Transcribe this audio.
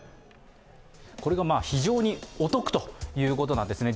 これが非常にお得ということなんですね。